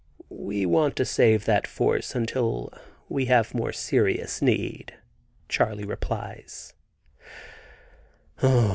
"We want to save that force until we have more serious need," Charley replies.